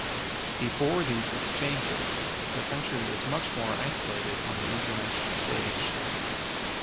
Before these exchanges, the country was much more isolated on the international stage.